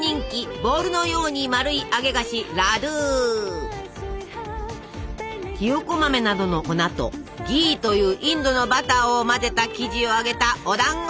ボールのように丸い揚げ菓子ひよこ豆などの粉と「ギー」というインドのバターを混ぜた生地を揚げたお団子！